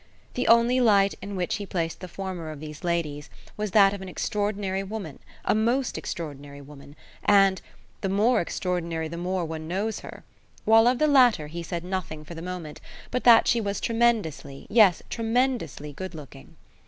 The only light in which he placed the former of these ladies was that of an extraordinary woman a most extraordinary woman, and "the more extraordinary the more one knows her," while of the latter he said nothing for the moment but that she was tremendously, yes, quite tremendously, good looking.